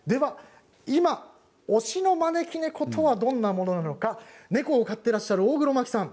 今、推しの招き猫とはどんなものなのか猫を飼ってらっしゃる大黒摩季さん